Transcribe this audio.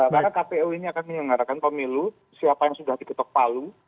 karena kpu ini akan menyelenggarakan pemilu siapa yang sudah diketok palu